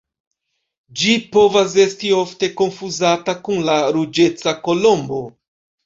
Ĝi povas esti ofte konfuzata kun la Ruĝeca kolombo.